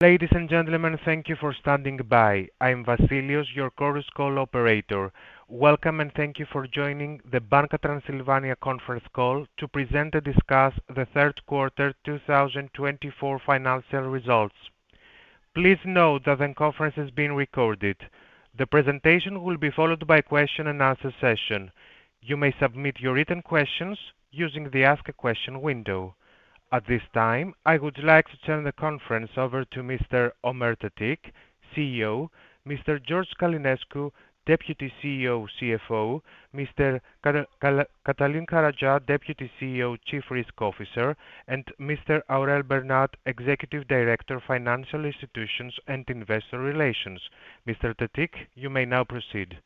Ladies and gentlemen, thank you for standing by. I'm Vasilios, your Chorus Call operator. Welcome and thank you for joining the Banca Transilvania Conference call to present and discuss the third quarter 2024 financial results. Please note that the conference is being recorded. The presentation will be followed by a question-and-answer session. You may submit your written questions using the Ask a Question window. At this time, I would like to turn the conference over to Mr. Ömer Tetik, CEO, Mr. George Călinescu, Deputy CEO/CFO, Mr. Cătălin Caragea, Deputy CEO/Chief Risk Officer, and Mr. Aurel Bernat, Executive Director, Financial Institutions and Investor Relations. Mr. Tetik, you may now proceed.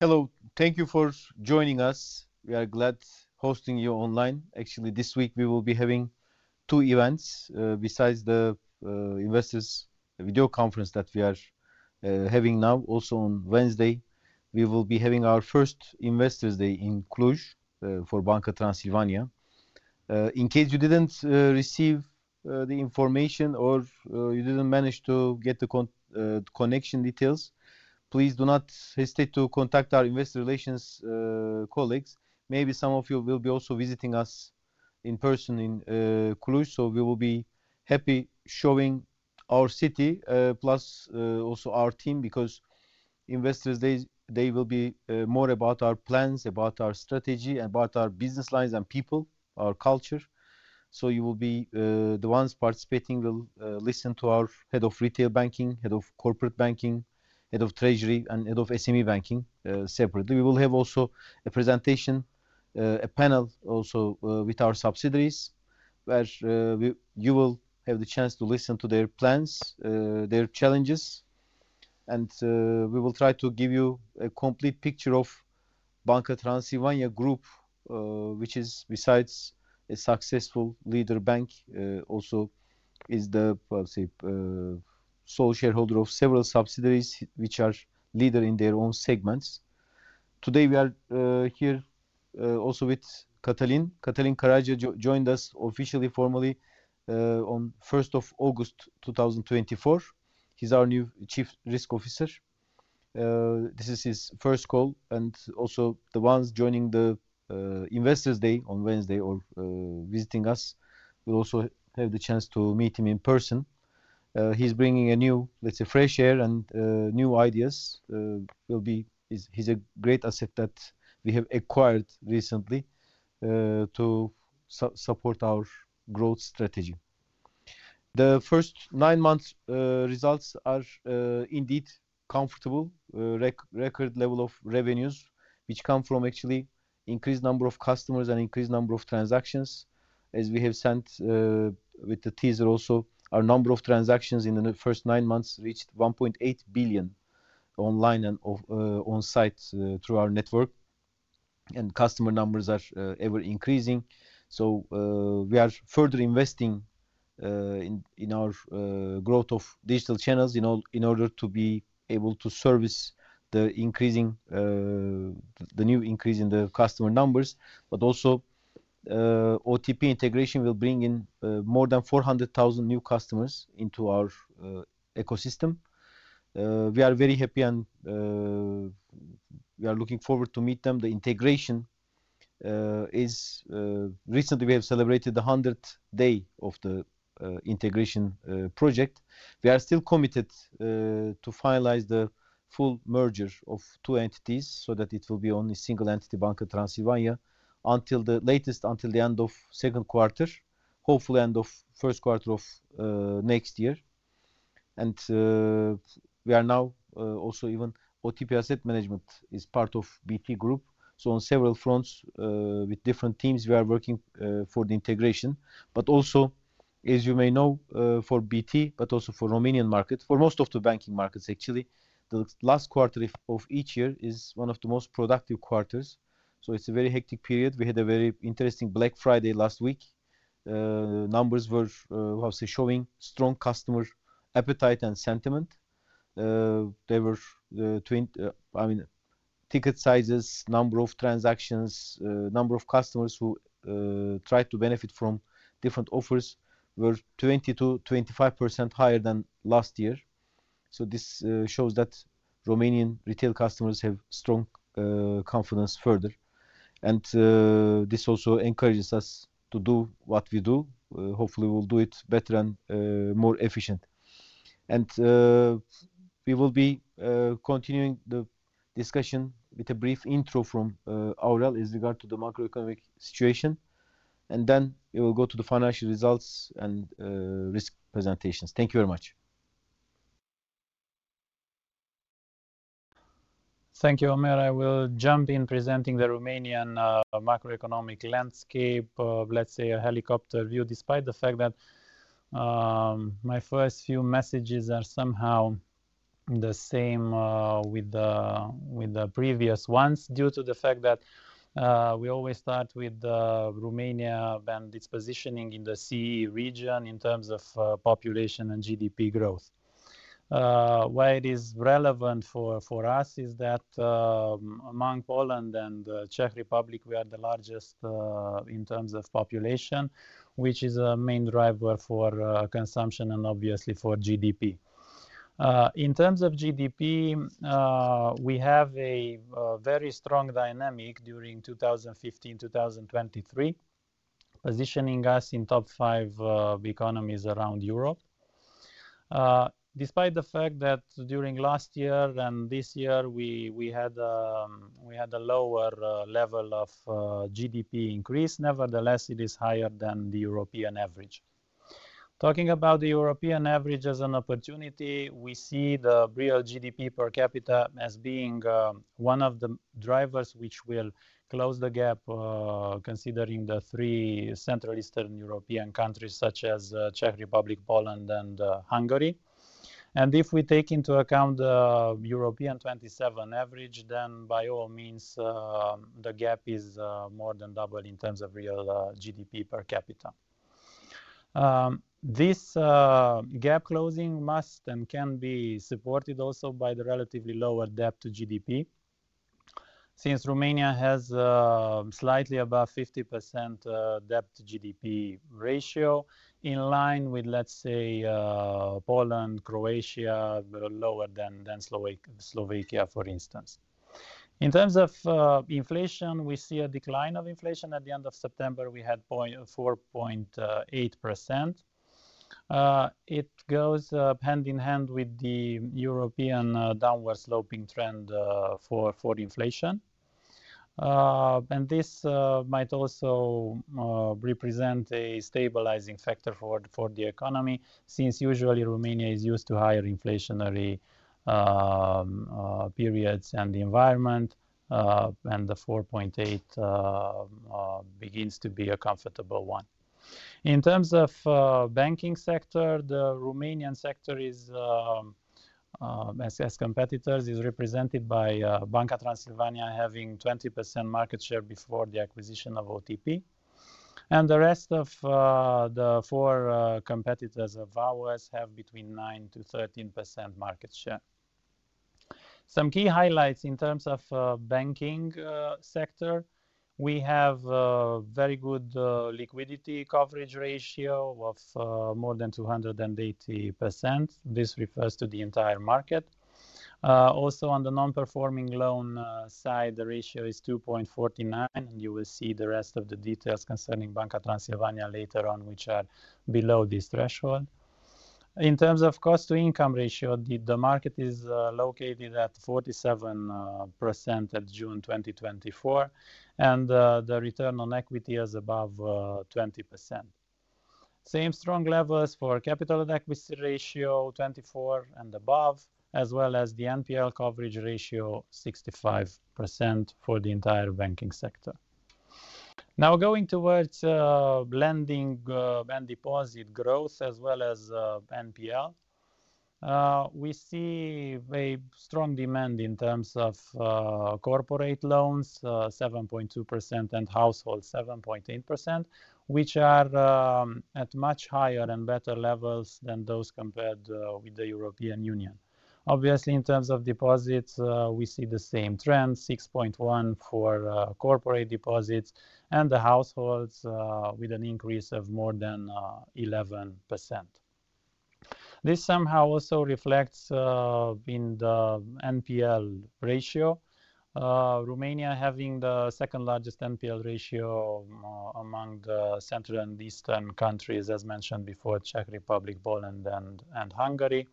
Hello, thank you for joining us. We are glad to be hosting you online. Actually, this week we will be having two events. Besides the investors' video conference that we are having now, also on Wednesday, we will be having our first Investors' Day in Cluj for Banca Transilvania. In case you didn't receive the information or you didn't manage to get the connection details, please do not hesitate to contact our investor relations colleagues. Maybe some of you will be also visiting us in person in Cluj, so we will be happy showing our city, plus also our team, because Investors' Day will be more about our plans, about our strategy, about our business lines and people, our culture. You will be the ones participating. You will listen to our Head of Retail Banking, Head of Corporate Banking, Head of Treasury, and Head of SME Banking separately. We will have also a presentation, a panel also with our subsidiaries, where you will have the chance to listen to their plans, their challenges, and we will try to give you a complete picture of Banca Transilvania Group, which is, besides a successful leader bank, also is the sole shareholder of several subsidiaries which are leaders in their own segments. Today we are here also with Cătălin. Cătălin Caragea joined us officially, formally, on 1st of August 2024. He's our new Chief Risk Officer. This is his first call, and also the ones joining the Investors' Day on Wednesday or visiting us will also have the chance to meet him in person. He's bringing a new, let's say, fresh air and new ideas. He's a great asset that we have acquired recently to support our growth strategy. The first nine months' results are indeed comfortable record level of revenues, which come from actually an increased number of customers and an increased number of transactions. As we have sent with the teaser also, our number of transactions in the first nine months reached 1.8 billion online and on-site through our network, and customer numbers are ever-increasing. So we are further investing in our growth of digital channels in order to be able to service the new increase in the customer numbers, but also OTP integration will bring in more than 400,000 new customers into our ecosystem. We are very happy, and we are looking forward to meeting them. The integration is recent. We have celebrated the 100th day of the integration project. We are still committed to finalize the full merger of two entities so that it will be only a single entity, Banca Transilvania, at the latest until the end of the second quarter, hopefully end of the first quarter of next year. And we are now also even OTP Asset Management is part of BT Group, so on several fronts with different teams we are working for the integration. But also, as you may know, for BT, but also for the Romanian market, for most of the banking markets actually, the last quarter of each year is one of the most productive quarters. So it's a very hectic period. We had a very interesting Black Friday last week. Numbers were showing strong customer appetite and sentiment. There were, I mean, ticket sizes, number of transactions, number of customers who tried to benefit from different offers were 20%-25% higher than last year, so this shows that Romanian retail customers have strong confidence further, and this also encourages us to do what we do. Hopefully, we'll do it better and more efficient, and we will be continuing the discussion with a brief intro from Aurel in regard to the macroeconomic situation, and then we will go to the financial results and risk presentations. Thank you very much. Thank you, Ömer. I will jump in presenting the Romanian macroeconomic landscape, let's say a helicopter view, despite the fact that my first few messages are somehow the same with the previous ones due to the fact that we always start with Romania and its positioning in the CE region in terms of population and GDP growth. Why it is relevant for us is that among Poland and the Czech Republic, we are the largest in terms of population, which is a main driver for consumption and obviously for GDP. In terms of GDP, we have a very strong dynamic during 2015-2023, positioning us in the top five economies around Europe. Despite the fact that during last year and this year we had a lower level of GDP increase, nevertheless, it is higher than the European average. Talking about the European average as an opportunity, we see the real GDP per capita as being one of the drivers which will close the gap considering the three Central and Eastern European countries such as the Czech Republic, Poland, and Hungary. And if we take into account the European 27 average, then by all means the gap is more than double in terms of real GDP per capita. This gap closing must and can be supported also by the relatively lower debt-to-GDP since Romania has slightly above 50% debt-to-GDP ratio in line with, let's say, Poland, Croatia, lower than Slovakia, for instance. In terms of inflation, we see a decline of inflation. At the end of September, we had 4.8%. It goes hand in hand with the European downward-sloping trend for inflation. And this might also represent a stabilizing factor for the economy since usually Romania is used to higher inflationary periods and the environment, and the 4.8 begins to be a comfortable one. In terms of the banking sector, the Romanian sector, as competitors, is represented by Banca Transilvania having 20% market share before the acquisition of OTP. And the rest of the four competitors of ours have between 9%-13% market share. Some key highlights in terms of the banking sector: we have a very good liquidity coverage ratio of more than 280%. This refers to the entire market. Also, on the non-performing loan side, the ratio is 2.49, and you will see the rest of the details concerning Banca Transilvania later on, which are below this threshold. In terms of cost-to-income ratio, the market is located at 47% at June 2024, and the return on equity is above 20%. Same strong levels for capital and equity ratio 24% and above, as well as the NPL coverage ratio 65% for the entire banking sector. Now, going towards lending and deposit growth, as well as NPL, we see a strong demand in terms of corporate loans: 7.2% and household 7.8%, which are at much higher and better levels than those compared with the European Union. Obviously, in terms of deposits, we see the same trend: 6.1% for corporate deposits and the households with an increase of more than 11%. This somehow also reflects in the NPL ratio, Romania having the second largest NPL ratio among the Central and Eastern countries, as mentioned before: Czech Republic, Poland, and Hungary: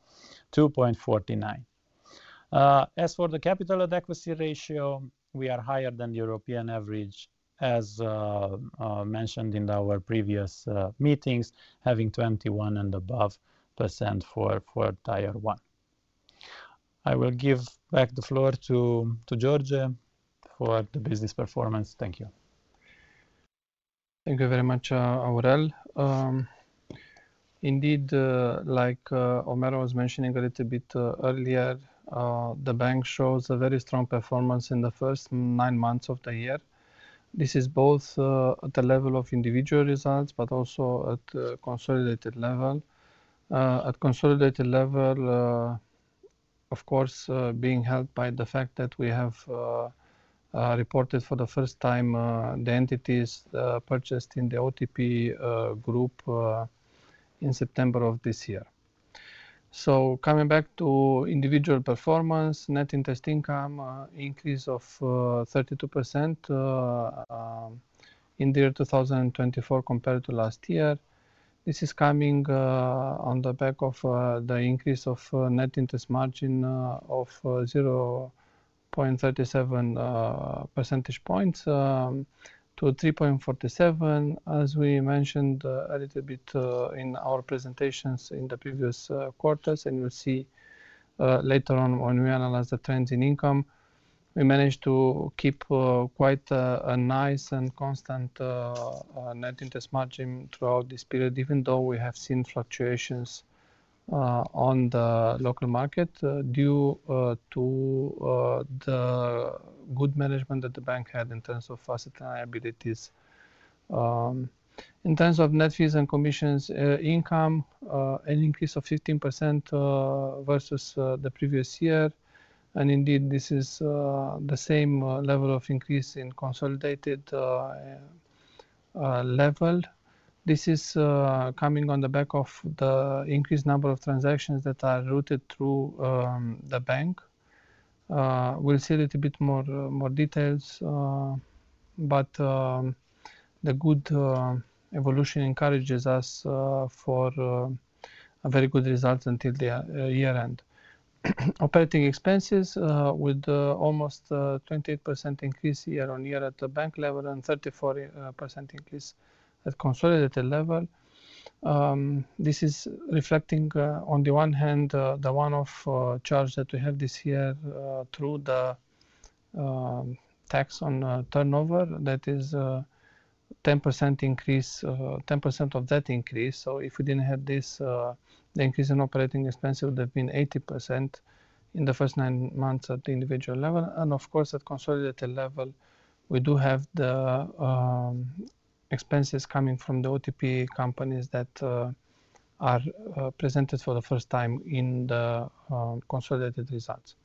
2.49%. As for the capital adequacy ratio, we are higher than the European average, as mentioned in our previous meetings, having 21% and above for Tier 1. I will give back the floor to George for the business performance. Thank you. Thank you very much, Aurel. Indeed, like Ömer was mentioning a little bit earlier, the bank shows a very strong performance in the first nine months of the year. This is both at the level of individual results but also at a consolidated level. At a consolidated level, of course, being helped by the fact that we have reported for the first time the entities purchased in the OTP Group in September of this year. So coming back to individual performance, net interest income increased of 32% in the year 2024 compared to last year. This is coming on the back of the increase of net interest margin of 0.37 percentage points to 3.47, as we mentioned a little bit in our presentations in the previous quarters. You'll see later on when we analyze the trends in income, we managed to keep quite a nice and constant net interest margin throughout this period, even though we have seen fluctuations on the local market due to the good management that the bank had in terms of assets and liabilities. In terms of net fees and commissions income, an increase of 15% versus the previous year. Indeed, this is the same level of increase in consolidated level. This is coming on the back of the increased number of transactions that are routed through the bank. We'll see a little bit more details, but the good evolution encourages us for very good results until the year-end. Operating expenses, with almost a 28% increase year-on-year at the bank level and 34% increase at consolidated level. This is reflecting, on the one hand, the one-off charge that we have this year through the tax on turnover. That is a 10% increase, 10% of that increase, so if we didn't have this, the increase in operating expenses would have been 80% in the first nine months at the individual level, and of course, at consolidated level, we do have the expenses coming from the OTP companies that are presented for the first time in the consolidated results.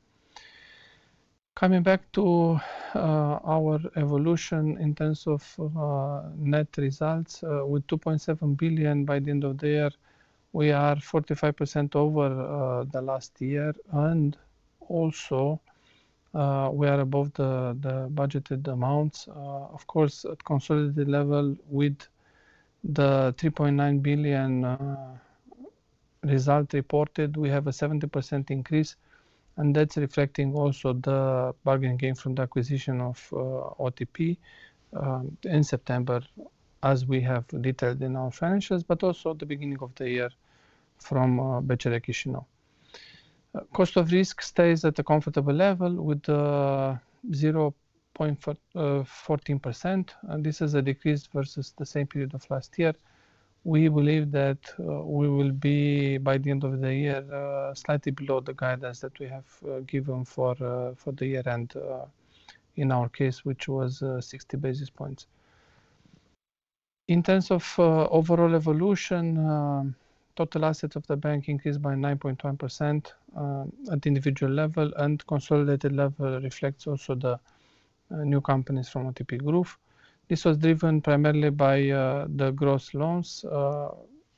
Coming back to our evolution in terms of net results, with RON 2.7 billion by the end of the year, we are 45% over the last year, and also, we are above the budgeted amounts. Of course, at consolidated level, with the RON 3.9 billion result reported, we have a 70% increase. And that's reflecting also the bargaining gain from the acquisition of OTP in September, as we have detailed in our financials, but also at the beginning of the year from BCR Chișinău. Cost of risk stays at a comfortable level with 0.14%. This is a decrease versus the same period of last year. We believe that we will be, by the end of the year, slightly below the guidance that we have given for the year-end in our case, which was 60 basis points. In terms of overall evolution, total assets of the bank increased by 9.1% at the individual level. And consolidated level reflects also the new companies from OTP Group. This was driven primarily by the gross loans,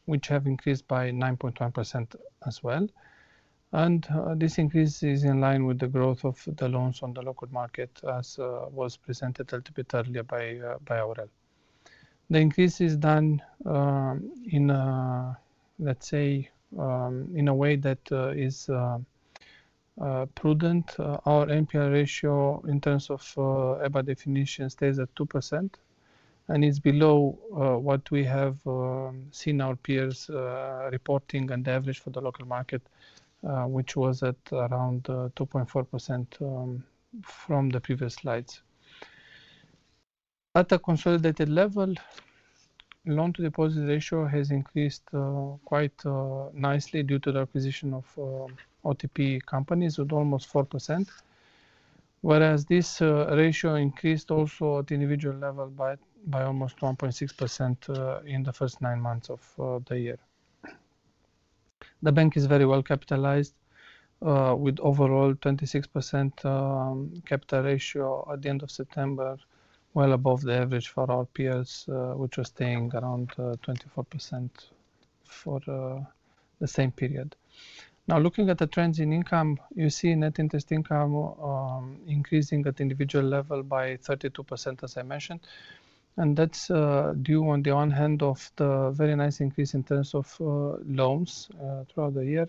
which have increased by 9.1% as well. This increase is in line with the growth of the loans on the local market, as was presented a little bit earlier by Aurel. The increase is done in, let's say, in a way that is prudent. Our NPL ratio in terms of EBA definition stays at 2% and is below what we have seen our peers reporting and averaged for the local market, which was at around 2.4% from the previous slides. At a consolidated level, loan-to-deposit ratio has increased quite nicely due to the acquisition of OTP companies with almost 4%, whereas this ratio increased also at the individual level by almost 1.6% in the first nine months of the year. The bank is very well capitalized, with overall 26% capital ratio at the end of September, well above the average for our peers, which was staying around 24% for the same period. Now, looking at the trends in income, you see net interest income increasing at the individual level by 32%, as I mentioned. And that's due, on the one hand, to the very nice increase in terms of loans throughout the year.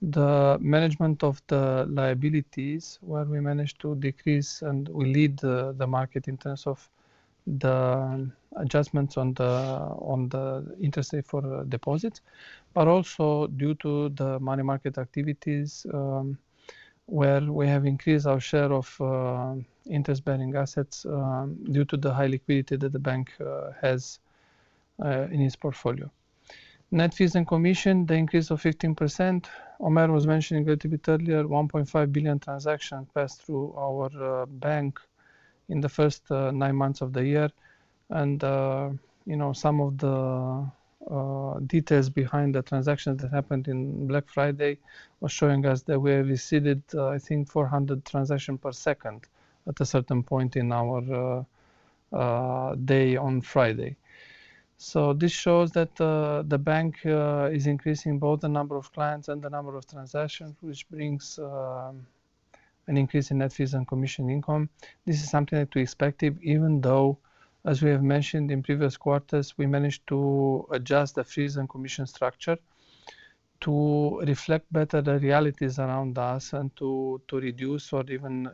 The management of the liabilities, where we managed to decrease and we lead the market in terms of the adjustments on the interest rate for deposits, but also due to the money market activities, where we have increased our share of interest-bearing assets due to the high liquidity that the bank has in its portfolio. Net fees and commission, the increase of 15%. Ömer was mentioning a little bit earlier, 1.5 billion transactions passed through our bank in the first nine months of the year. And some of the details behind the transactions that happened on Black Friday were showing us that we have exceeded, I think, 400 transactions per second at a certain point in our day on Friday. So this shows that the bank is increasing both the number of clients and the number of transactions, which brings an increase in net fees and commission income. This is something that we expected, even though, as we have mentioned in previous quarters, we managed to adjust the fees and commission structure to reflect better the realities around us and to reduce or even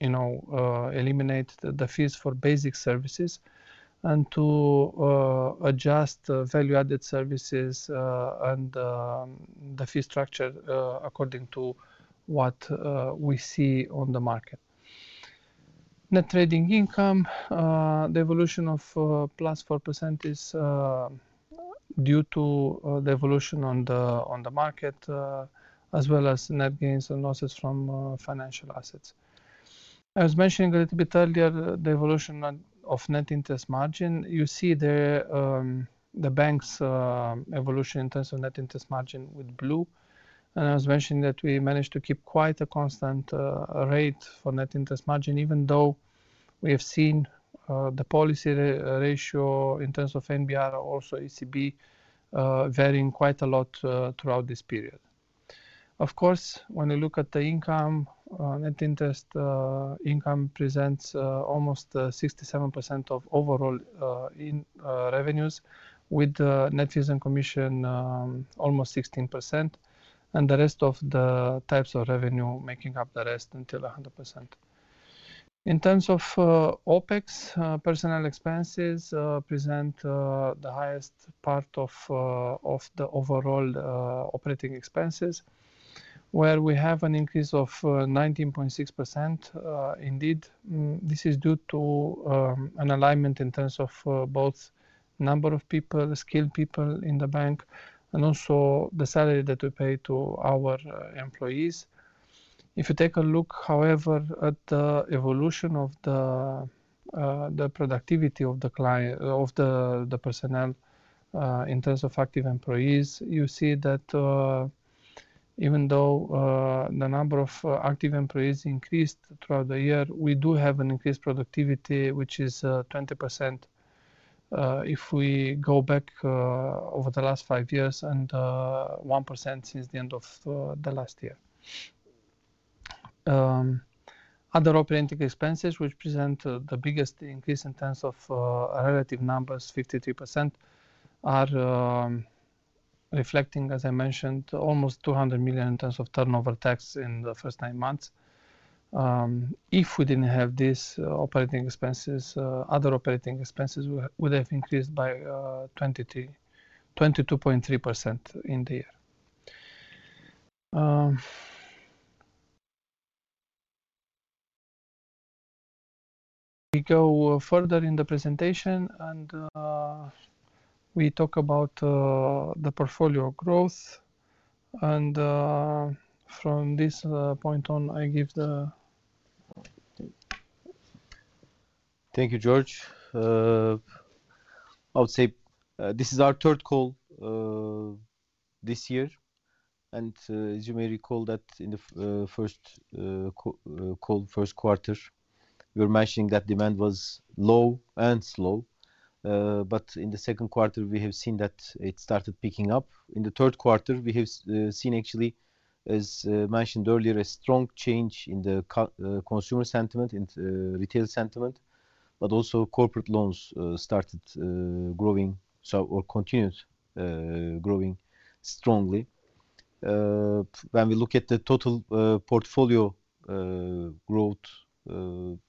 eliminate the fees for basic services and to adjust value-added services and the fee structure according to what we see on the market. Net trading income, the evolution of plus 4% is due to the evolution on the market, as well as net gains and losses from financial assets. I was mentioning a little bit earlier the evolution of net interest margin. You see the bank's evolution in terms of net interest margin with blue, and I was mentioning that we managed to keep quite a constant rate for net interest margin, even though we have seen the policy rate in terms of NBR, also ECB, varying quite a lot throughout this period. Of course, when we look at the income, net interest income presents almost 67% of overall revenues, with net fees and commissions almost 16%, and the rest of the types of revenue making up the rest until 100%. In terms of OpEx, personal expenses present the highest part of the overall operating expenses, where we have an increase of 19.6%. Indeed, this is due to an alignment in terms of both number of people, skilled people in the bank, and also the salary that we pay to our employees. If you take a look, however, at the evolution of the productivity of the personnel in terms of active employees, you see that even though the number of active employees increased throughout the year, we do have an increased productivity, which is 20% if we go back over the last five years and 1% since the end of the last year. Other operating expenses, which present the biggest increase in terms of relative numbers, 53%, are reflecting, as I mentioned, almost RON 200 million in terms of turnover tax in the first nine months. If we didn't have these operating expenses, other operating expenses would have increased by 22.3% in the year. We go further in the presentation, and we talk about the portfolio growth, and from this point on, I give the. Thank you, George. I would say this is our third call this year, and as you may recall that in the first call, first quarter, you were mentioning that demand was low and slow, but in the second quarter, we have seen that it started picking up. In the third quarter, we have seen, actually, as mentioned earlier, a strong change in the consumer sentiment, in retail sentiment, but also corporate loans started growing or continued growing strongly. When we look at the total portfolio growth,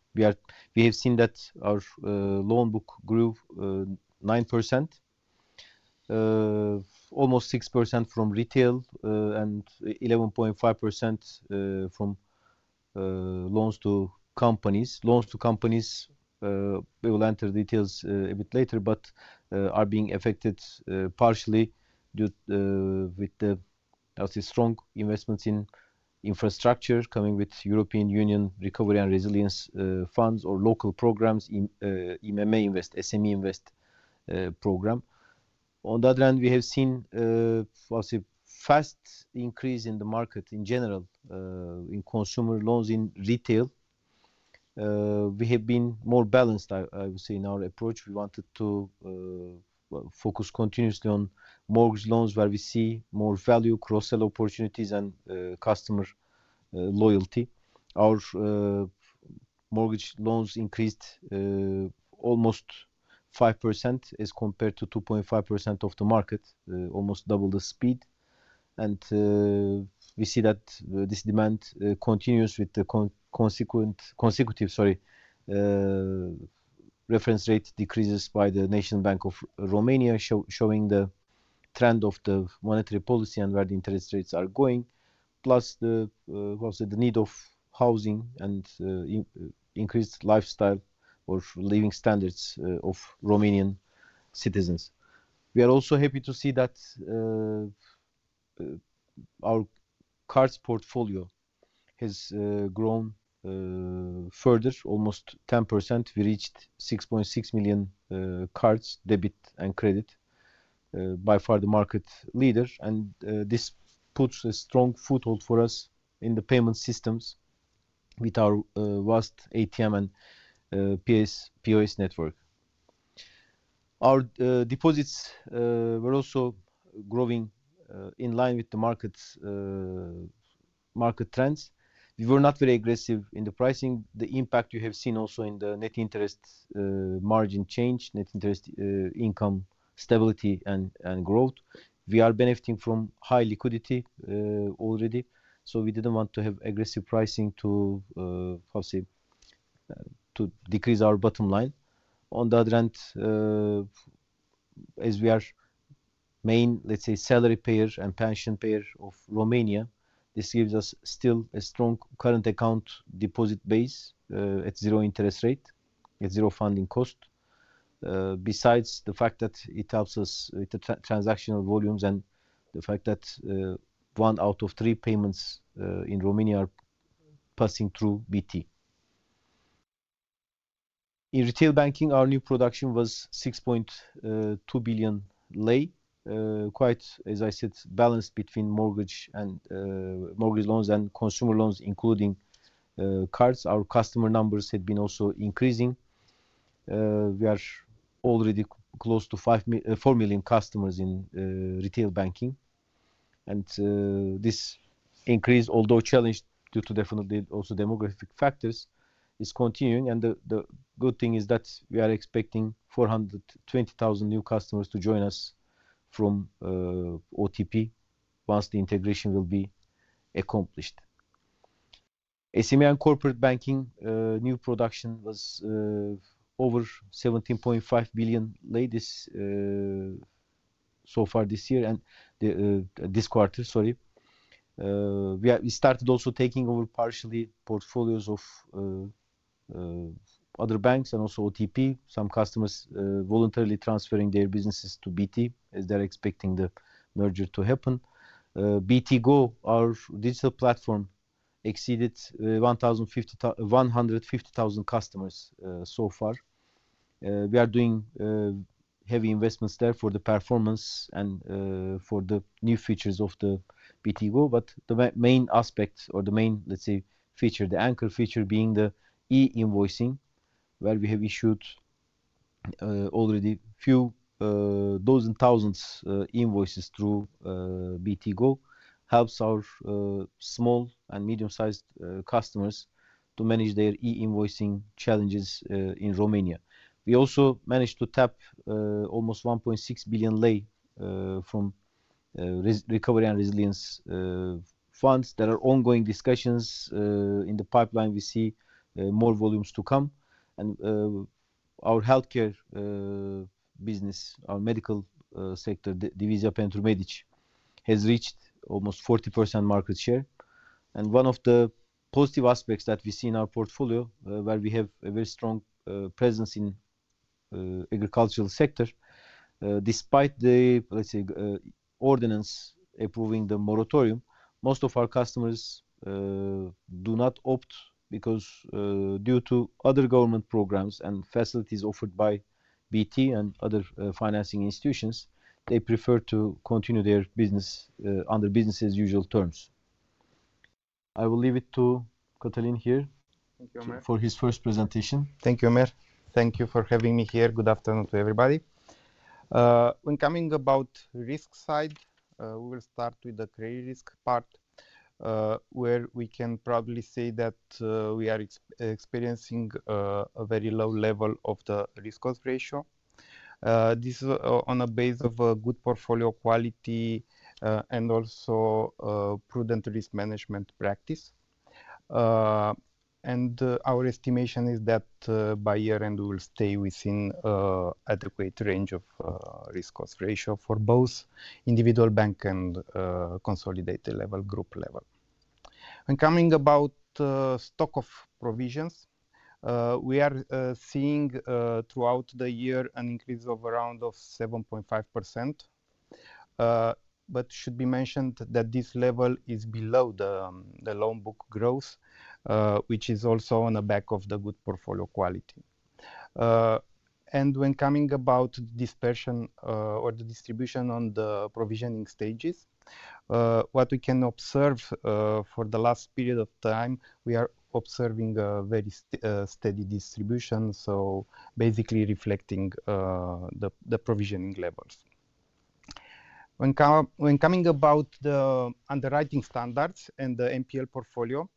we have seen that our loan book grew 9%, almost 6% from retail, and 11.5% from loans to companies. Loans to companies, we will enter details a bit later, but are being affected partially with the, I would say, strong investments in infrastructure coming with European Union Recovery and Resilience Funds or local programs, IMM Invest, SME Invest program. On that land, we have seen a fast increase in the market in general in consumer loans in retail. We have been more balanced, I would say, in our approach. We wanted to focus continuously on mortgage loans, where we see more value, cross-sell opportunities, and customer loyalty. Our mortgage loans increased almost 5% as compared to 2.5% of the market, almost double the speed. We see that this demand continues with the consecutive, sorry, reference rate decreases by the National Bank of Romania, showing the trend of the monetary policy and where the interest rates are going, plus the, I would say, the need of housing and increased lifestyle or living standards of Romanian citizens. We are also happy to see that our cards portfolio has grown further, almost 10%. We reached 6.6 million cards, debit and credit, by far the market leader. This puts a strong foothold for us in the payment systems with our vast ATM and POS network. Our deposits were also growing in line with the market trends. We were not very aggressive in the pricing. The impact you have seen also in the net interest margin change, net interest income stability and growth. We are benefiting from high liquidity already. So we didn't want to have aggressive pricing to, I would say, to decrease our bottom line. On that front, as we are the main, let's say, salary payer and pension payer of Romania, this gives us still a strong current account deposit base at zero interest rate, at zero funding cost, besides the fact that it helps us with the transactional volumes and the fact that one out of three payments in Romania are passing through BT. In retail banking, our new production was RON 6.2 billion, quite, as I said, balanced between mortgage and mortgage loans and consumer loans, including cards. Our customer numbers had been also increasing. We are already close to 4 million customers in retail banking. And this increase, although challenged due to definitely also demographic factors, is continuing. And the good thing is that we are expecting 420,000 new customers to join us from OTP once the integration will be accomplished. SME and corporate banking new production was over RON 17.5 billion so far this year and this quarter, sorry. We started also taking over partially portfolios of other banks and also OTP. Some customers voluntarily transferring their businesses to BT as they're expecting the merger to happen. BT Go, our digital platform, exceeded 150,000 customers so far. We are doing heavy investments there for the performance and for the new features of the BT Go. But the main aspect or the main, let's say, feature, the anchor feature being the e-invoicing, where we have issued already a few dozen thousands of invoices through BT Go, helps our small and medium-sized customers to manage their e-invoicing challenges in Romania. We also managed to tap almost RON 1.6 billion from Recovery and Resilience Funds. There are ongoing discussions in the pipeline. We see more volumes to come. Our healthcare business, our medical sector, Divizia Pentru Medici has reached almost 40% market share. One of the positive aspects that we see in our portfolio, where we have a very strong presence in the agricultural sector, despite the, let's say, ordinance approving the moratorium, most of our customers do not opt because due to other government programs and facilities offered by BT and other financing institutions, they prefer to continue their business under business-as-usual terms. I will leave it to Cătălin here for his first presentation. Thank you, Ömer. Thank you for having me here. Good afternoon to everybody. When coming about risk side, we will start with the credit risk part, where we can probably say that we are experiencing a very low level of the risk-cost ratio. This is on a base of good portfolio quality and also prudent risk management practice. And our estimation is that by year-end, we will stay within an adequate range of risk-cost ratio for both individual bank and consolidated level, group level. When coming about stock of provisions, we are seeing throughout the year an increase of around 7.5%. But it should be mentioned that this level is below the loan book growth, which is also on the back of the good portfolio quality. When coming about dispersion or the distribution on the provisioning stages, what we can observe for the last period of time, we are observing a very steady distribution, so basically reflecting the provisioning levels. When coming about the underwriting standards and the NPL portfolio,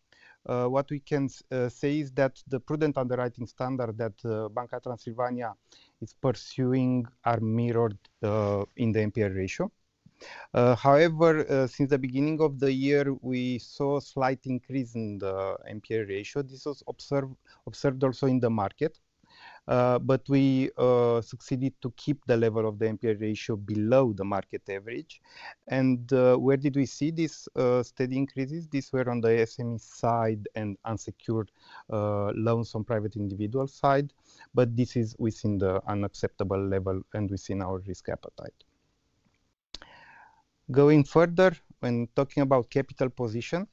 what we can say is that the prudent underwriting standard that Banca Transilvania is pursuing is mirrored in the NPL ratio. However, since the beginning of the year, we saw a slight increase in the NPL ratio. This was observed also in the market. We succeeded to keep the level of the NPL ratio below the market average. Where did we see these steady increases? These were on the SME side and unsecured loans on private individual side. This is within the acceptable level and within our risk appetite. Going further, when talking about capital position,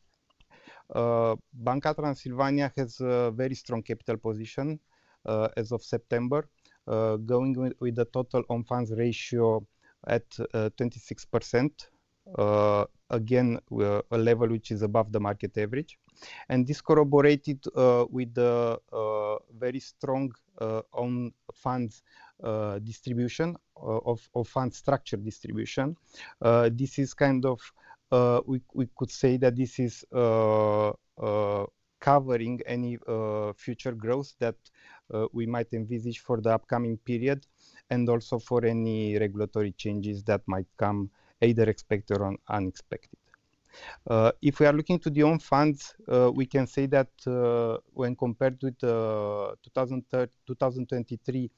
Banca Transilvania has a very strong capital position as of September, going with a total own funds ratio at 26%, again, a level which is above the market average. This corroborated with the very strong own funds distribution of fund structure. This is kind of, we could say that this is covering any future growth that we might envisage for the upcoming period and also for any regulatory changes that might come either expected or unexpected. If we are looking to the own funds, we can say that when compared with the 2023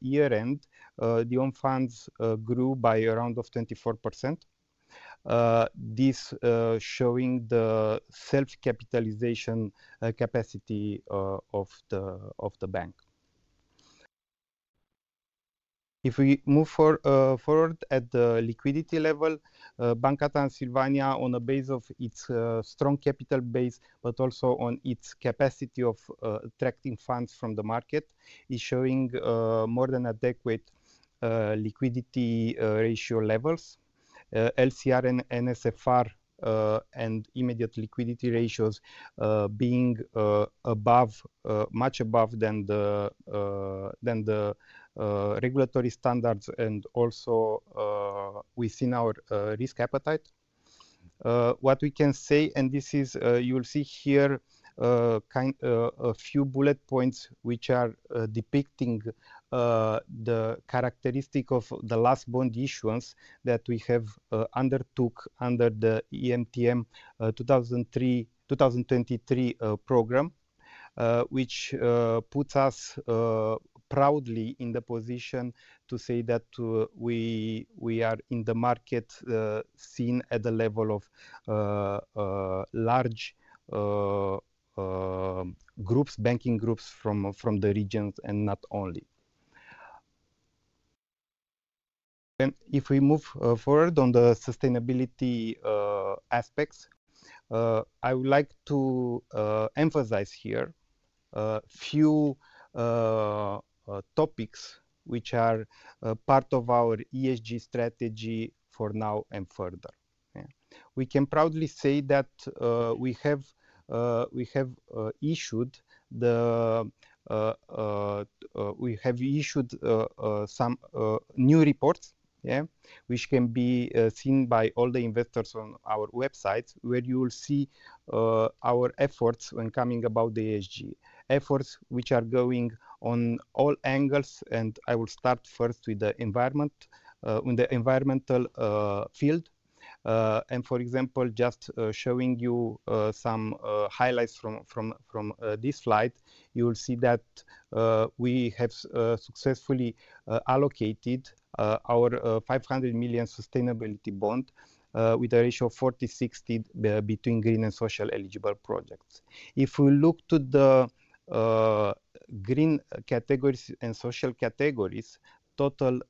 year-end, the own funds grew by around 24%, this showing the self-capitalization capacity of the bank. If we move forward at the liquidity level, Banca Transilvania, on a base of its strong capital base, but also on its capacity of attracting funds from the market, is showing more than adequate liquidity ratio levels, LCR and NSFR and immediate liquidity ratios being much above than the regulatory standards and also within our risk appetite. What we can say, and this is, you will see here a few bullet points which are depicting the characteristic of the last bond issuance that we have undertook under the EMTN 2023 program, which puts us proudly in the position to say that we are in the market seen at the level of large groups, banking groups from the region and not only. If we move forward on the sustainability aspects, I would like to emphasize here a few topics which are part of our ESG strategy for now and further. We can proudly say that we have issued some new reports, which can be seen by all the investors on our website, where you will see our efforts when coming about the ESG efforts, which are going on all angles. And I will start first with the environment, with the environmental field. And for example, just showing you some highlights from this slide, you will see that we have successfully allocated our 500 million sustainability bond with a ratio of 40-60 between green and social eligible projects. If we look to the green categories and social categories, total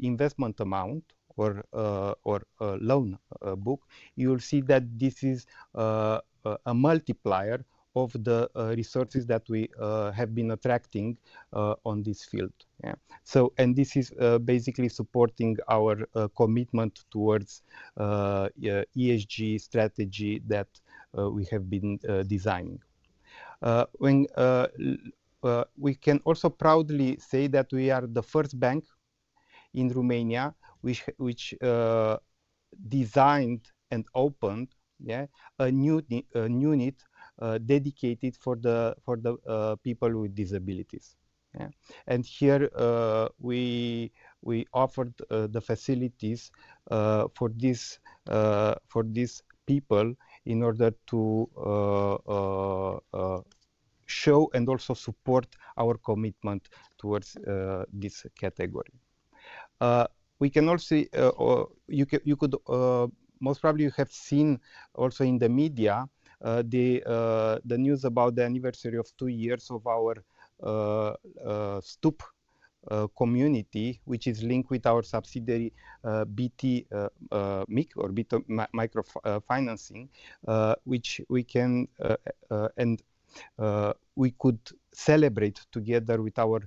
investment amount or loan book, you will see that this is a multiplier of the resources that we have been attracting on this field. And this is basically supporting our commitment towards ESG strategy that we have been designing. We can also proudly say that we are the first bank in Romania which designed and opened a new unit dedicated for the people with disabilities, and here, we offered the facilities for these people in order to show and also support our commitment towards this category. We can also, you could most probably have seen also in the media the news about the anniversary of two years of our STUP community, which is linked with our subsidiary BT Mic or BT Microfinancing, which we can, and we could celebrate together with our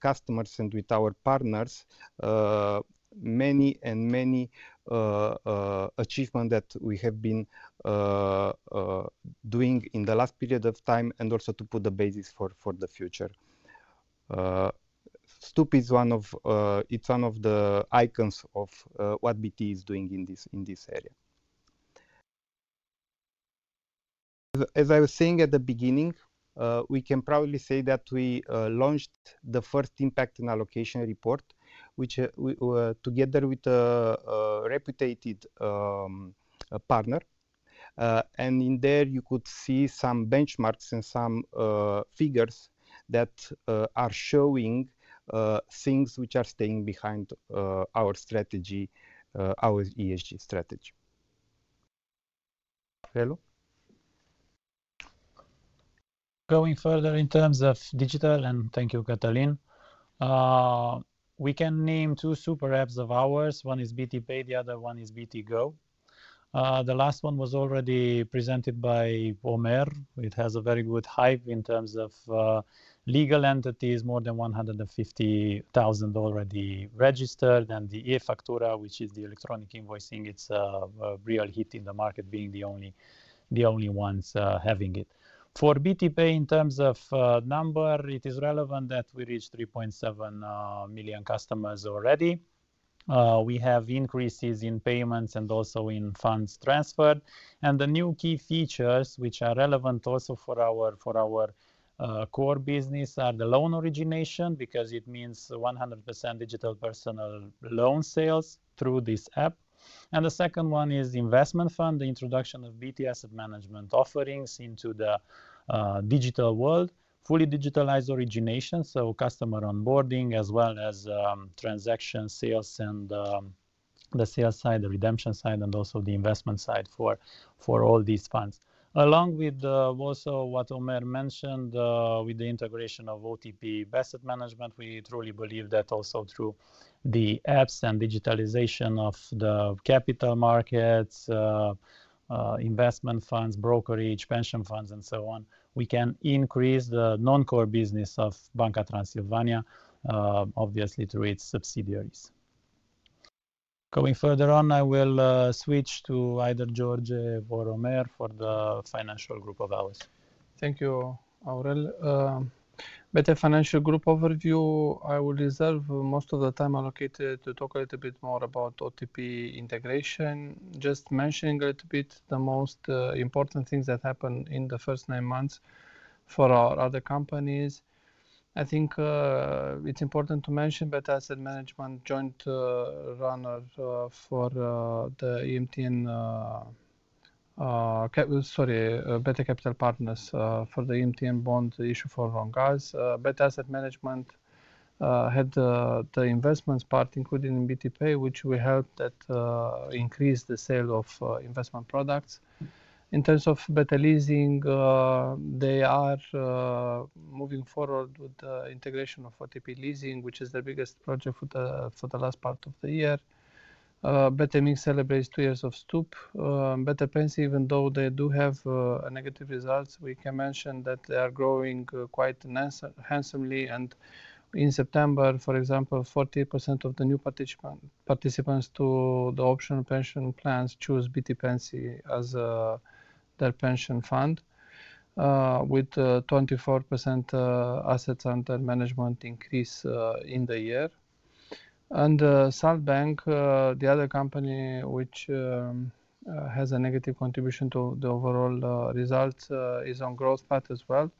customers and with our partners many and many achievements that we have been doing in the last period of time and also to put the basis for the future. STUP is one of, it's one of the icons of what BT is doing in this area. As I was saying at the beginning, we can probably say that we launched the first impact and allocation report, which, together with a reputable partner, and in there, you could see some benchmarks and some figures that are showing things which are standing behind our strategy, our ESG strategy. Going further in terms of digital, and thank you, Cătălin, we can name two super apps of ours. One is BT Pay, the other one is BT Go. The last one was already presented by Ömer. It has a very good hype in terms of legal entities, more than 150,000 already registered. And the e-factura, which is the electronic invoicing, it's a real hit in the market, being the only ones having it. For BT Pay, in terms of number, it is relevant that we reached 3.7 million customers already. We have increases in payments and also in funds transferred. And the new key features, which are relevant also for our core business, are the loan origination, because it means 100% digital personal loan sales through this app. The second one is investment fund, the introduction of BT Asset Management offerings into the digital world, fully digitalized origination, so customer onboarding, as well as transaction sales and the sales side, the redemption side, and also the investment side for all these funds. Along with also what Ömer mentioned with the integration of OTP Asset Management, we truly believe that also through the apps and digitalization of the capital markets, investment funds, brokerage, pension funds, and so on, we can increase the non-core business of Banca Transilvania, obviously through its subsidiaries. Going further on, I will switch to either George or Ömer for the financial group of ours. Thank you, Aurel. BT Group overview. I will reserve most of the time allocated to talk a little bit more about OTP integration, just mentioning a little bit the most important things that happened in the first nine months for our other companies. I think it's important to mention BT Asset Management, joint runner for the EMTN, sorry, BT Capital Partners for the EMTN bond issue for Romgaz. BT Asset Management had the investments part, including BT Pay, which we helped that increase the sale of investment products. In terms of BT Leasing, they are moving forward with the integration of OTP Leasing, which is their biggest project for the last part of the year. BT Mic celebrates two years of STUP. BT Pensii, even though they do have negative results, we can mention that they are growing quite handsomely. In September, for example, 40% of the new participants to the optional pension plans choose BT Pensii as their pension fund, with 24% assets under management increase in the year. Salt Bank, the other company which has a negative contribution to the overall results, is on growth path as well.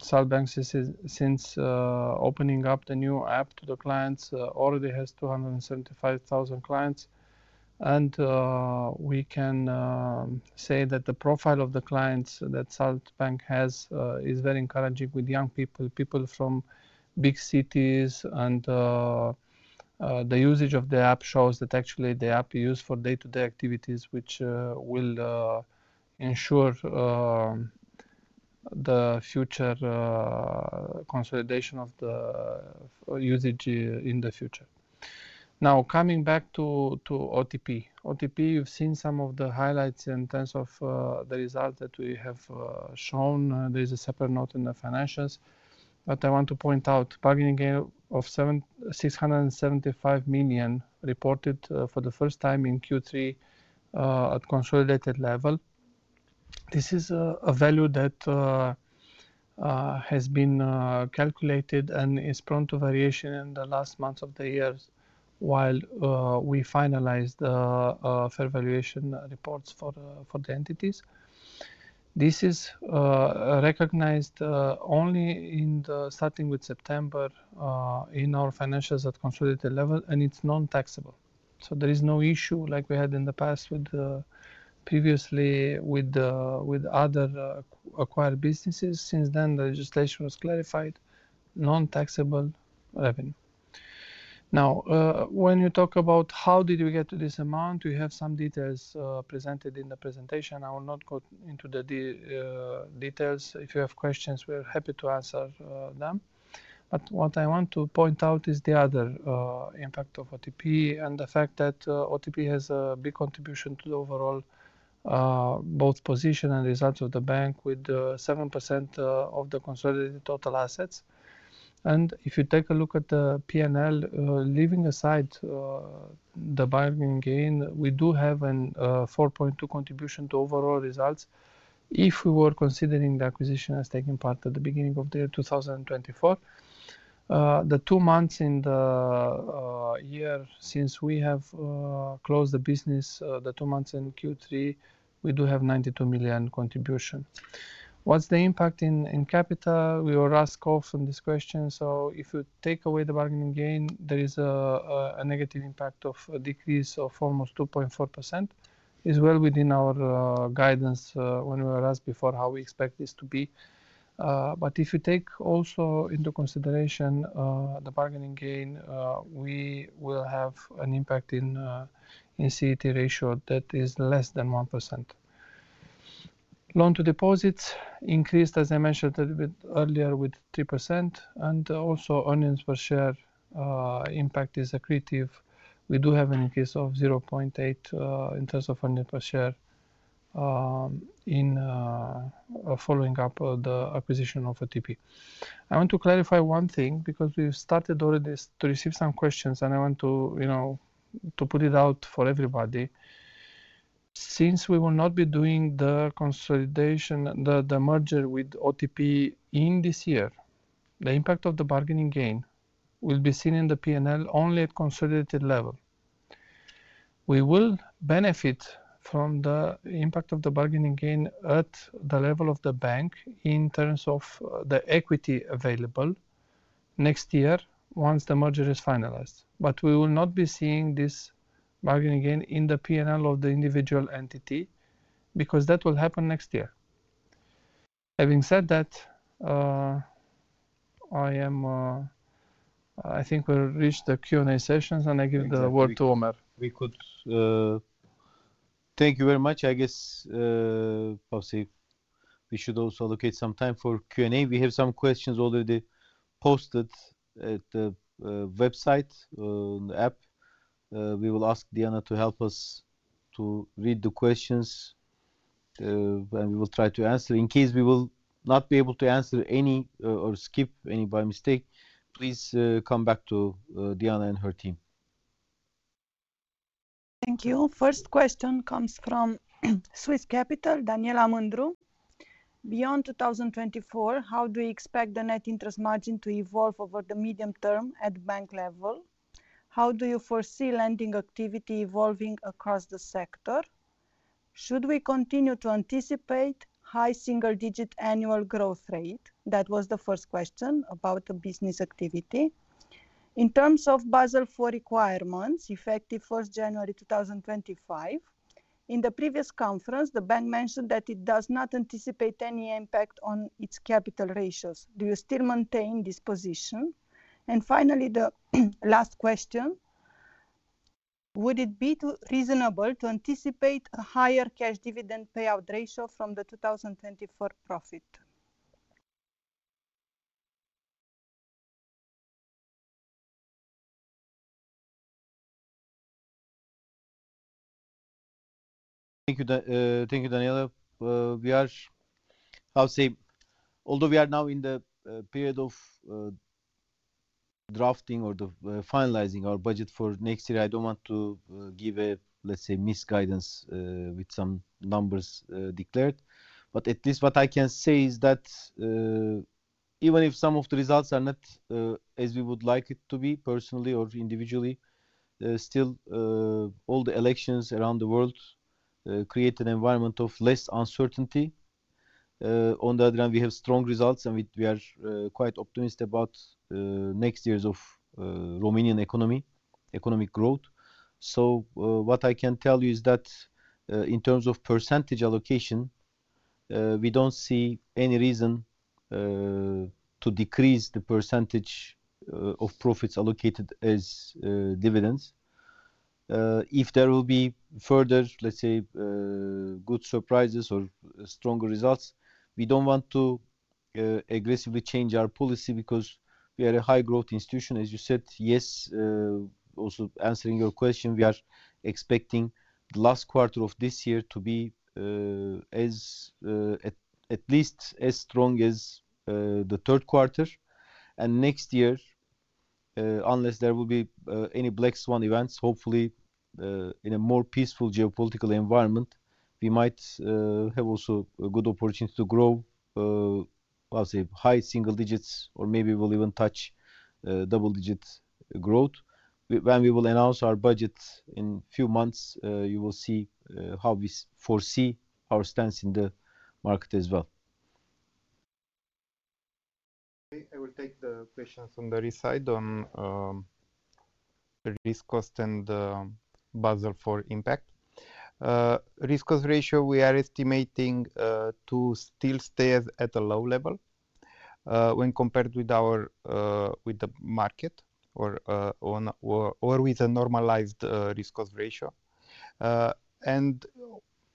Salt Bank, since opening up the new app to the clients, already has 275,000 clients. We can say that the profile of the clients that Salt Bank has is very encouraging with young people, people from big cities. The usage of the app shows that actually the app is used for day-to-day activities, which will ensure the future consolidation of the usage in the future. Now, coming back to OTP, OTP, you've seen some of the highlights in terms of the result that we have shown. There is a separate note in the financials. I want to point out, bargaining gain of RON 675 million reported for the first time in Q3 at consolidated level. This is a value that has been calculated and is prone to variation in the last months of the year while we finalized fair valuation reports for the entities. This is recognized only starting with September in our financials at consolidated level, and it's non-taxable. So there is no issue like we had in the past, previously with other acquired businesses. Since then, the legislation was clarified, non-taxable revenue. Now, when you talk about how did we get to this amount, we have some details presented in the presentation. I will not go into the details. If you have questions, we're happy to answer them. But what I want to point out is the other impact of OTP and the fact that OTP has a big contribution to the overall both position and results of the bank with 7% of the consolidated total assets. And if you take a look at the P&L, leaving aside the bargaining gain, we do have a 4.2 contribution to overall results if we were considering the acquisition as taking part at the beginning of the year 2024. The two months in the year since we have closed the business, the two months in Q3, we do have RON 92 million contribution. What's the impact in capital? We were asked often this question. So if you take away the bargaining gain, there is a negative impact of a decrease of almost 2.4%. It's well within our guidance when we were asked before how we expect this to be. But if you take also into consideration the bargaining gain, we will have an impact in CET ratio that is less than 1%. Loan to deposits increased, as I mentioned a little bit earlier, with 3%. And also earnings per share impact is accretive. We do have an increase of 0.8 in terms of earnings per share in following up the acquisition of OTP. I want to clarify one thing because we've started already to receive some questions, and I want to put it out for everybody. Since we will not be doing the consolidation, the merger with OTP in this year, the impact of the bargaining gain will be seen in the P&L only at consolidated level. We will benefit from the impact of the bargaining gain at the level of the bank in terms of the equity available next year once the merger is finalized. But we will not be seeing this bargaining gain in the P&L of the individual entity because that will happen next year. Having said that, I think we've reached the Q&A sessions, and I give the word to Ömer. We could. Thank you very much. I guess, perhaps we should also allocate some time for Q&A. We have some questions already posted at the website on the app. We will ask Diana to help us to read the questions, and we will try to answer. In case we will not be able to answer any or skip any by mistake, please come back to Diana and her team. Thank you. First question comes from Swiss Capital, Daniela Mundru. Beyond 2024, how do we expect the net interest margin to evolve over the medium term at bank level? How do you foresee lending activity evolving across the sector? Should we continue to anticipate high single-digit annual growth rate? That was the first question about the business activity. In terms of Basel IV requirements, effective 1 January 2025, in the previous conference, the bank mentioned that it does not anticipate any impact on its capital ratios. Do you still maintain this position? And finally, the last question, would it be reasonable to anticipate a higher cash dividend payout ratio from the 2024 profit? Thank you, Daniela. We are, I would say, although we are now in the period of drafting or finalizing our budget for next year. I don't want to give a, let's say, misguidance with some numbers declared, but at least what I can say is that even if some of the results are not as we would like it to be, personally or individually. Still all the elections around the world create an environment of less uncertainty. On the other hand, we have strong results, and we are quite optimistic about next years of Romanian economy, economic growth, so what I can tell you is that in terms of percentage allocation, we don't see any reason to decrease the percentage of profits allocated as dividends. If there will be further, let's say, good surprises or stronger results, we don't want to aggressively change our policy because we are a high-growth institution. As you said, yes, also answering your question, we are expecting the last quarter of this year to be at least as strong as the third quarter. And next year, unless there will be any black swan events, hopefully in a more peaceful geopolitical environment, we might have also a good opportunity to grow, I would say, high single digits, or maybe we'll even touch double-digit growth. When we will announce our budget in a few months, you will see how we foresee our stance in the market as well. I will take the questions on the risks side on risk cost and Basel IV impact. Risk cost ratio, we are estimating to still stay at a low level when compared with the market or with a normalized risk cost ratio. And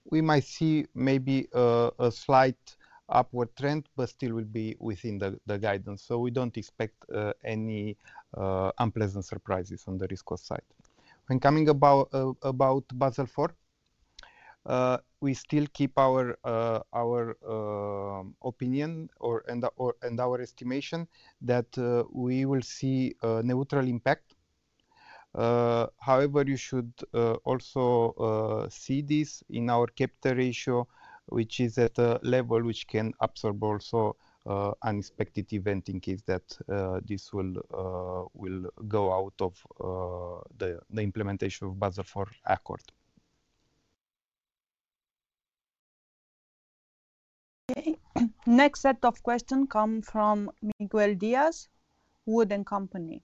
we might see maybe a slight upward trend, but still will be within the guidance. So we don't expect any unpleasant surprises on the risk cost side. When coming about Basel IV, we still keep our opinion and our estimation that we will see a neutral impact. However, you should also see this in our capital ratio, which is at a level which can absorb also unexpected events in case that this will go out of the implementation of Basel IV accord. Okay. Next set of questions come from Miguel Diaz, Wood & Company.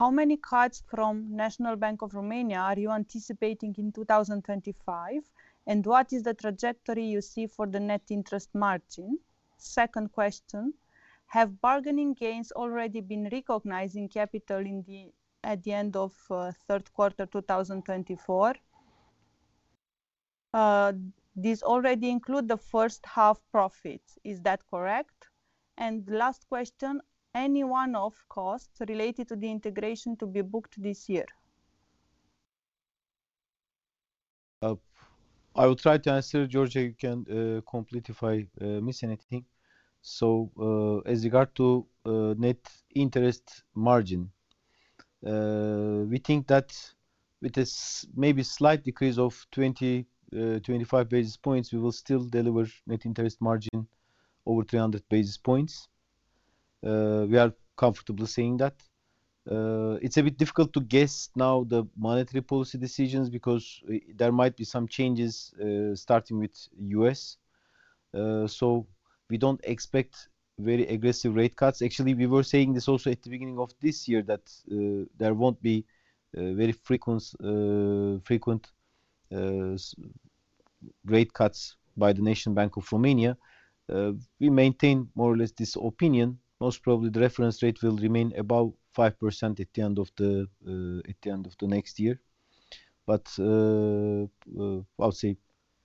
How many cuts from National Bank of Romania are you anticipating in 2025? And what is the trajectory you see for the net interest margin? Second question, have bargaining gains already been recognized in capital at the end of third quarter 2024? This already includes the first half profits. Is that correct? And last question, any one-off costs related to the integration to be booked this year? I will try to answer, George. You can complete if I miss anything. So as regard to net interest margin, we think that with a maybe slight decrease of 20-25 basis points, we will still deliver net interest margin over 300 basis points. We are comfortable saying that. It's a bit difficult to guess now the monetary policy decisions because there might be some changes starting with the U.S. So we don't expect very aggressive rate cuts. Actually, we were saying this also at the beginning of this year that there won't be very frequent rate cuts by the National Bank of Romania. We maintain more or less this opinion. Most probably, the reference rate will remain above 5% at the end of the next year. But I would say,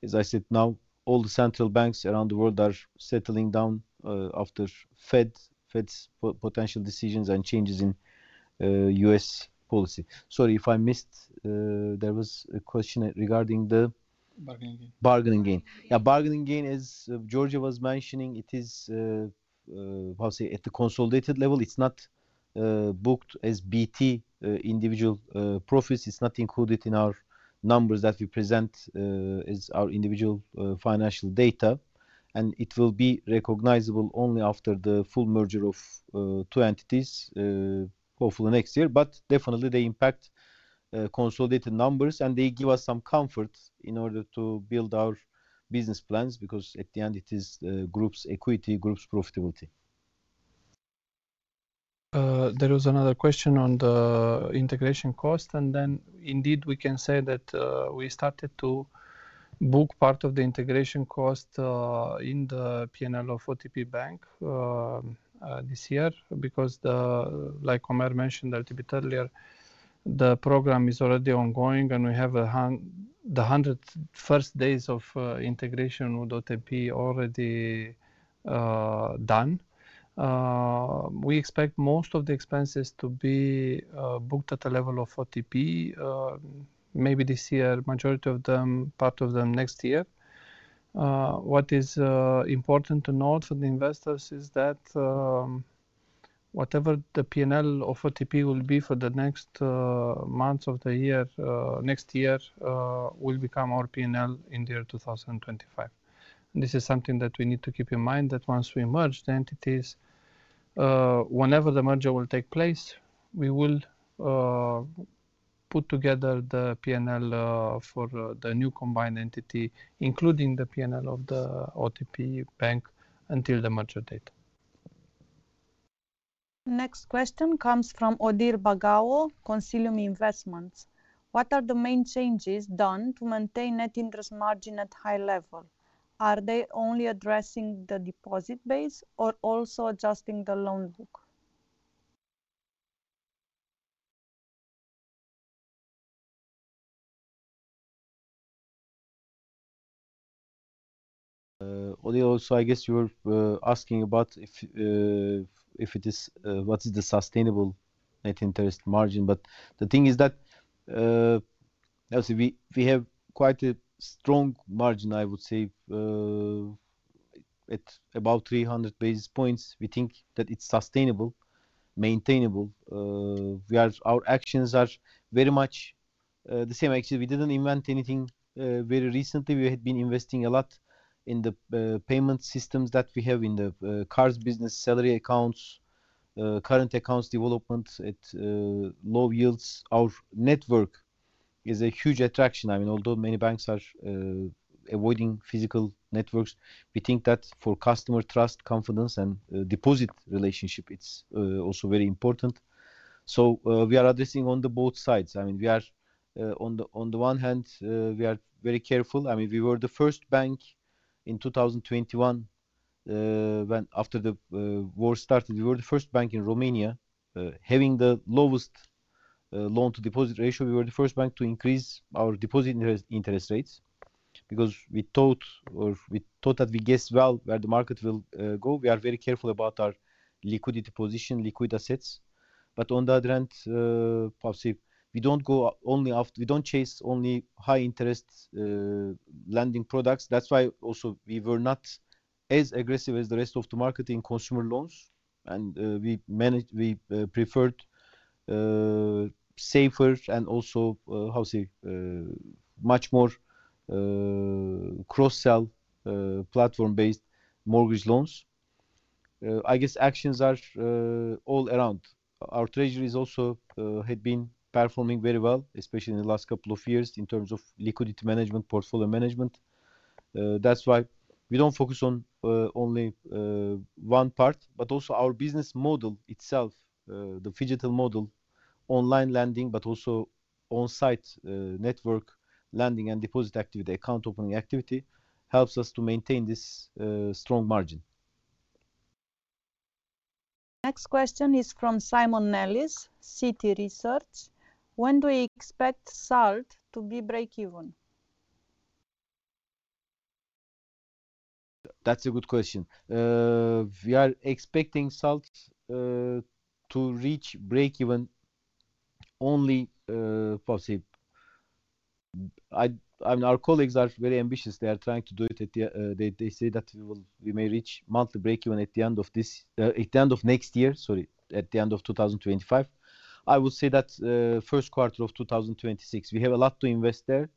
as I said now, all the central banks around the world are settling down after Fed's potential decisions and changes in U.S. policy. Sorry if I missed. There was a question regarding the. Bargaining gain. Bargaining gain. Yeah, bargaining gain, as George was mentioning, it is, I would say, at the consolidated level. It's not booked as BT individual profits. It's not included in our numbers that we present as our individual financial data. It will be recognizable only after the full merger of two entities hopefully next year. But definitely, they impact consolidated numbers, and they give us some comfort in order to build our business plans because at the end, it is group's equity, group's profitability. There was another question on the integration cost, and then indeed, we can say that we started to book part of the integration cost in the P&L of OTP Bank this year because, like Ömer mentioned a little bit earlier, the program is already ongoing, and we have the first 100 days of integration with OTP already done. We expect most of the expenses to be booked at a level of OTP, maybe this year, majority of them, part of them next year. What is important to note for the investors is that whatever the P&L of OTP will be for the next months of the year, next year will become our P&L in the year 2025. This is something that we need to keep in mind that once we merge the entities, whenever the merger will take place, we will put together the P&L for the new combined entity, including the P&L of the OTP Bank until the merger date. Next question comes from Odir Bagawo, Consilium Investments. What are the main changes done to maintain net interest margin at high level? Are they only addressing the deposit base or also adjusting the loan book? Odir, also I guess you were asking about if it is what is the sustainable net interest margin. But the thing is that we have quite a strong margin, I would say, at about 300 basis points. We think that it's sustainable, maintainable. Our actions are very much the same. Actually, we didn't invent anything very recently. We had been investing a lot in the payment systems that we have in the cards business, salary accounts, current accounts development at low yields. Our network is a huge attraction. I mean, although many banks are avoiding physical networks, we think that for customer trust, confidence, and deposit relationship, it's also very important. So we are addressing on both sides. I mean, on the one hand, we are very careful. I mean, we were the first bank in 2021 after the war started. We were the first bank in Romania having the lowest loan-to-deposit ratio. We were the first bank to increase our deposit interest rates because we thought that we guessed well where the market will go. We are very careful about our liquidity position, liquid assets. But on the other hand, we don't chase only high-interest lending products. That's why also we were not as aggressive as the rest of the market in consumer loans. And we preferred safer and also, how to say, much more cross-sell platform-based mortgage loans. I guess actions are all around. Our treasuries also had been performing very well, especially in the last couple of years in terms of liquidity management, portfolio management. That's why we don't focus on only one part, but also our business model itself, the phygital model, online lending, but also on-site network lending and deposit activity, account opening activity helps us to maintain this strong margin. Next question is from Simon Nellis, Citi Research. When do you expect SALT to be break-even? That's a good question. We are expecting SALT to reach break-even only, I would say. I mean, our colleagues are very ambitious. They are trying to do it. They say that we may reach monthly break-even at the end of next year, sorry, at the end of 2025. I would say that first quarter of 2026. We have a lot to invest there.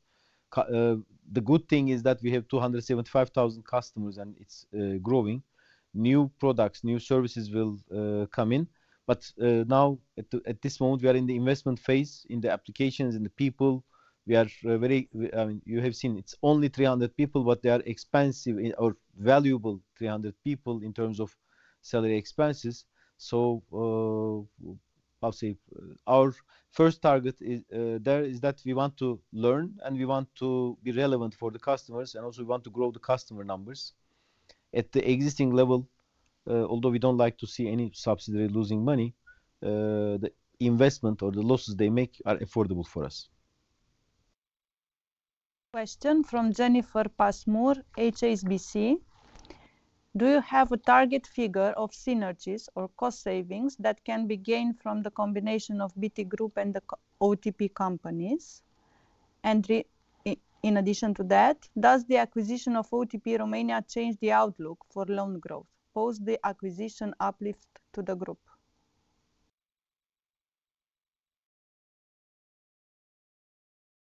The good thing is that we have 275,000 customers, and it's growing. New products, new services will come in. But now, at this moment, we are in the investment phase in the applications and the people. We are very, I mean, you have seen it's only 300 people, but they are expensive or valuable 300 people in terms of salary expenses. So, I would say our first target there is that we want to learn, and we want to be relevant for the customers, and also we want to grow the customer numbers. At the existing level, although we don't like to see any subsidiary losing money, the investment or the losses they make are affordable for us. Question from Jennifer Passmore, HSBC. Do you have a target figure of synergies or cost savings that can be gained from the combination of BT Group and the OTP companies? And in addition to that, does the acquisition of OTP Romania change the outlook for loan growth? Post the acquisition uplift to the group?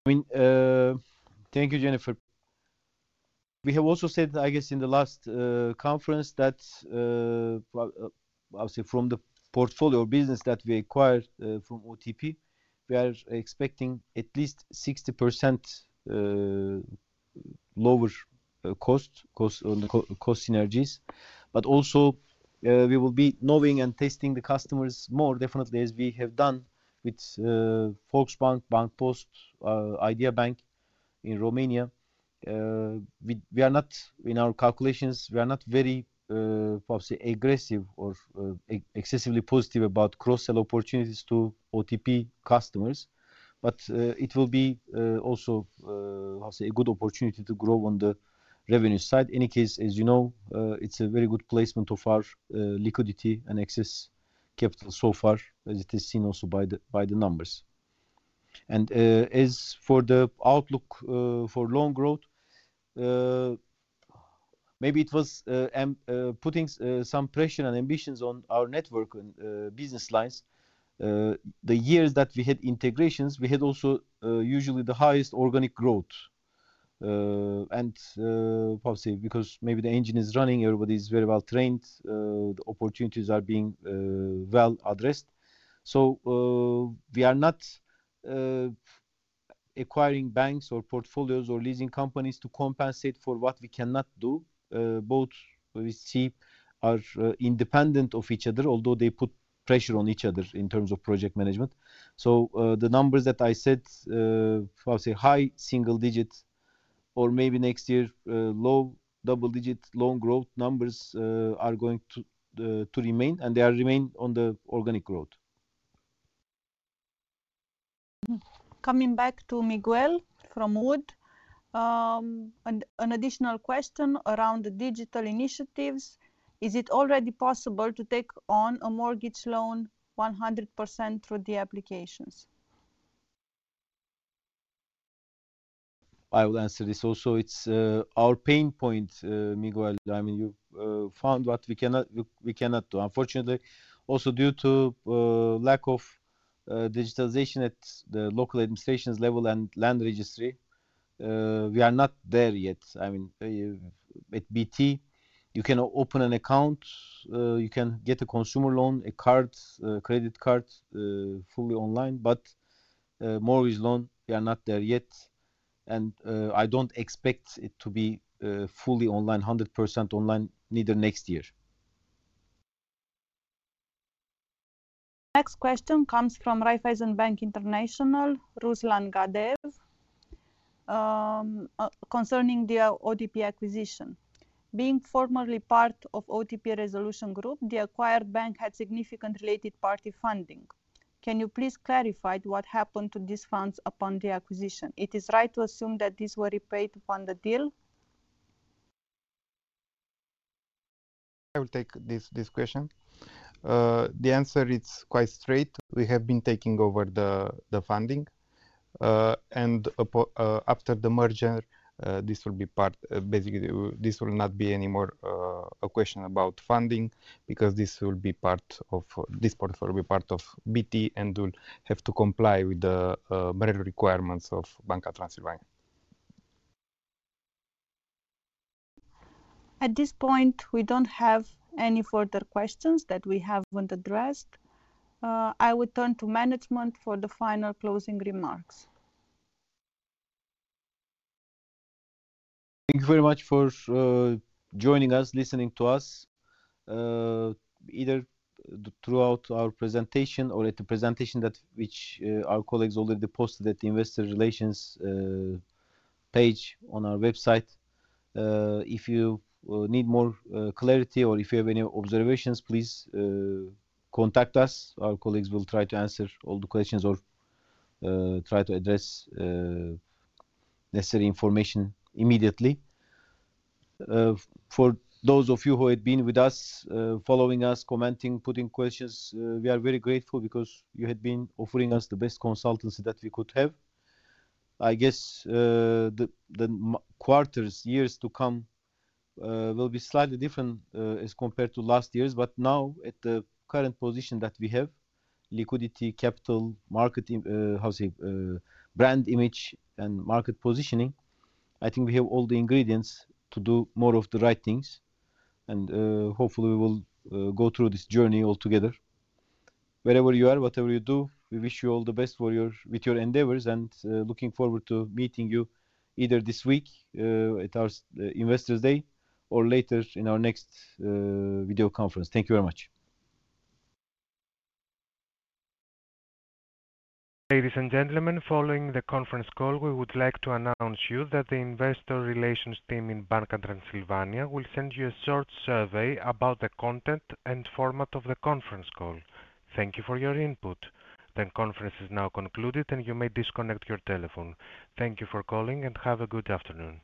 I mean, thank you, Jennifer. We have also said, I guess, in the last conference that, I would say, from the portfolio or business that we acquired from OTP, we are expecting at least 60% lower cost synergies. But also we will be knowing and testing the customers more, definitely, as we have done with Volksbank, Bancpost, Idea Bank in Romania. We are not, in our calculations, we are not very, I would say, aggressive or excessively positive about cross-sell opportunities to OTP customers. But it will be also, I would say, a good opportunity to grow on the revenue side. In any case, as you know, it's a very good placement of our liquidity and excess capital so far, as it is seen also by the numbers. As for the outlook for loan growth, maybe it was putting some pressure and ambitions on our network and business lines. The years that we had integrations, we had also usually the highest organic growth. I would say because maybe the engine is running, everybody is very well trained, the opportunities are being well addressed. We are not acquiring banks or portfolios or leasing companies to compensate for what we cannot do. Both we see are independent of each other, although they put pressure on each other in terms of project management. The numbers that I said, I would say, high single-digit or maybe next year low double-digit loan growth numbers are going to remain, and they are remaining on the organic growth. Coming back to Miguel from Wood, an additional question around digital initiatives. Is it already possible to take on a mortgage loan 100% through the applications? I would answer this also. It's our pain point, Miguel. I mean, you found what we cannot do. Unfortunately, also due to lack of digitalization at the local administration's level and land registry, we are not there yet. I mean, at BT, you can open an account, you can get a consumer loan, a card, credit card fully online, but mortgage loan, we are not there yet, and I don't expect it to be fully online, 100% online, neither next year. Next question comes from Raiffeisen Bank International, Ruslan Gadeev, concerning the OTP acquisition. Being formerly part of OTP Group, the acquired bank had significant related party funding. Can you please clarify what happened to these funds upon the acquisition? It is right to assume that these were repaid upon the deal? I will take this question. The answer is quite straight. We have been taking over the funding, and after the merger, this will be part, basically. This will not be anymore a question about funding because this portfolio will be part of BT and will have to comply with the requirements of Banca Transilvania. At this point, we don't have any further questions that we haven't addressed. I will turn to management for the final closing remarks. Thank you very much for joining us, listening to us, either throughout our presentation or at the presentation which our colleagues already posted at the investor relations page on our website. If you need more clarity or if you have any observations, please contact us. Our colleagues will try to answer all the questions or try to address necessary information immediately. For those of you who had been with us, following us, commenting, putting questions, we are very grateful because you had been offering us the best consultancy that we could have. I guess the quarters, years to come will be slightly different as compared to last years. But now, at the current position that we have, liquidity, capital, market, how to say, brand image and market positioning, I think we have all the ingredients to do more of the right things. Hopefully, we will go through this journey all together. Wherever you are, whatever you do, we wish you all the best with your endeavors, and looking forward to meeting you either this week at our Investors' Day or later in our next video conference. Thank you very much. Ladies and gentlemen, following the conference call, we would like to announce to you that the investor relations team in Banca Transilvania will send you a short survey about the content and format of the conference call. Thank you for your input. The conference is now concluded, and you may disconnect your telephone. Thank you for calling and have a good afternoon.